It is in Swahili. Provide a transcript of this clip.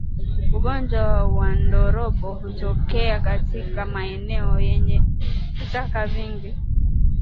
Ugonjwa wa ndorobo hutokea katika maeneo yenye vichaka vingi